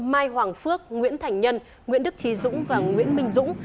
mai hoàng phước nguyễn thành nhân nguyễn đức trí dũng và nguyễn minh dũng